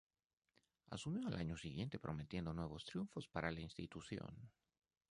Asumió al año siguiente prometiendo nuevos triunfos para la institución.